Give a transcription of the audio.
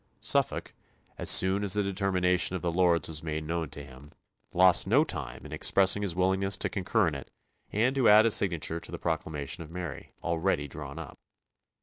Suffolk, so soon as the determination of the lords was made known to him, lost no time in expressing his willingness to concur in it and to add his signature to the proclamation of Mary, already drawn up.